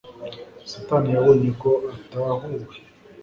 Satan yabonye ko atahuwe.